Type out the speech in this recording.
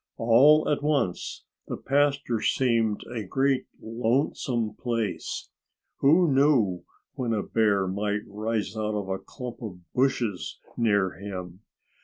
All at once the pasture seemed a great, lonesome place. Who knew when a bear might rise out of a clump of bushes near him?